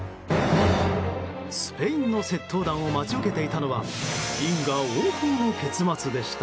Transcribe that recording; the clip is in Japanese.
スペインの窃盗団を待ち受けていたのは因果応報の結末でした。